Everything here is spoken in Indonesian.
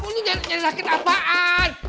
lu nyari raket apaan